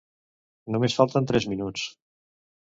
Només falten tres minuts!